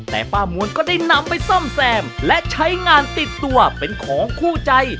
แต่ป้ามวลก็ได้นำไปซ่อมแซมและใช้งานติดตัวเป็นของคู่ใจ